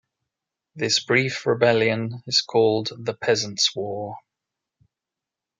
This brief rebellion is called the Peasant's War.